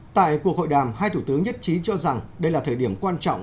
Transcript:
tại cuộc hội đàm hai thủ tướng nhất trí cho rằng đây là thời điểm quan trọng